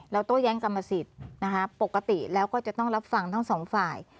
โต้แย้งกรรมสิทธิ์นะคะปกติแล้วก็จะต้องรับฟังทั้งสองฝ่าย